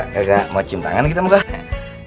lo pada gak mau cium tangan gitu mah gua